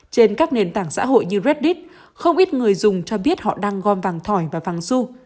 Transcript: trên các nền tảng xã hội như reddit không ít người dùng cho biết họ đang gom vàng thỏi và vàng su